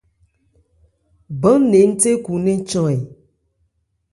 Bán-nne ńthekhunɛ́n chan ɛ ?